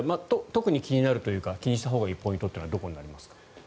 特に気になるというか気にしたほうがいいポイントというのはどこになりますか？